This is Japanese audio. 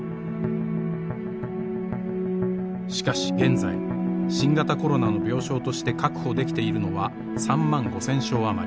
しかし現在新型コロナの病床として確保できているのは３万５，０００床あまり。